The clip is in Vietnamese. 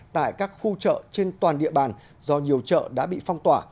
tại các khu chợ trên toàn địa bàn do nhiều chợ đã bị phong tỏa